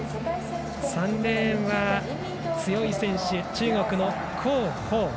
３レーンは強い選手、中国の高芳。